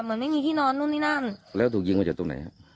เหมือนไม่มีที่นอนนู่นนี่นั่นแล้วถูกยิงมาจากตรงไหนฮะ